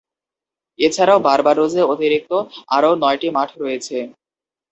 এছাড়াও, বার্বাডোসে অতিরিক্ত আরও নয়টি মাঠ রয়েছে।